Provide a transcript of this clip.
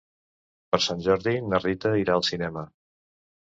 Per Sant Jordi na Rita irà al cinema.